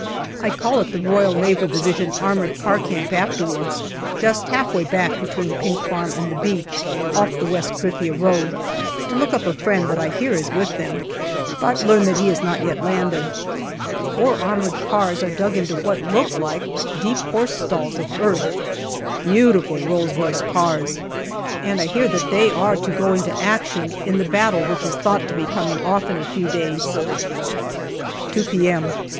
I call at the R.N.D. armoured car camp afterwards, just half way back between Pink Farm and the beach, off the West Krithia road, to look up a friend that I hear is with them, but learn that he has not yet landed. Four armoured cars are dug in to what look like deep horse stalls of earth beautiful Rolls Royce cars, and I hear MAY 113 that they are to go into action in the battle which is thought to be coming off in a few days. 2 p.m.